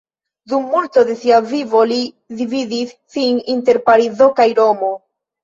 Dum multo de sia vivo li dividis sin inter Parizo kaj Romo.